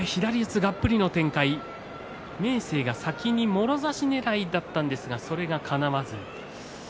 がっぷりの展開明生が先にもろ差しねらいだったんですがそれがかなわず。